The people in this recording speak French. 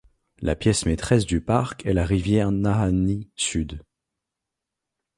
La pièce maîtresse du parc est la rivière Nahanni Sud.